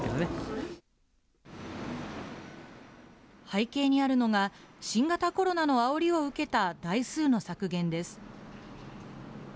背景にあるのが、新型コロナのあおりを受けた台数の削減です。